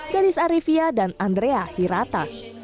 gadis arifia dan andrea hirata